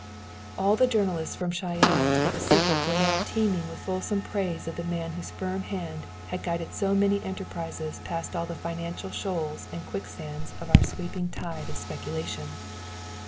All the journals from Cheyenne to the Pacific were now teeming with fulsome praise of the man whose firm hand had guided so many enterprises past all the financial shoals and quicksands of our sweeping tide of speculation.